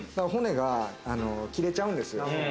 骨が切れちゃうんですよ。